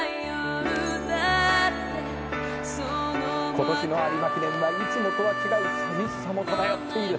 「今年の有馬記念はいつもとは違うさみしさも漂っている。